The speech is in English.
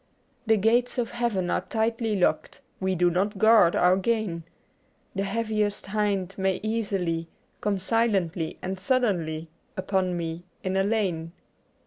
...' The gates of heaven are tightly locked. We do not guard our gain, The heaviest hind may easily Come silently and suddenly Upon me in a lane.